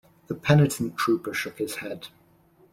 The penitent trooper shook his head.